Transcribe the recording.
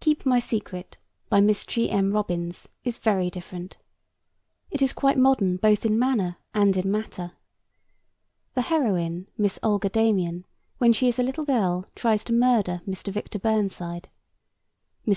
Keep My Secret, by Miss G. M. Robins, is very different. It is quite modern both in manner and in matter. The heroine, Miss Olga Damien, when she is a little girl tries to murder Mr. Victor Burnside. Mr.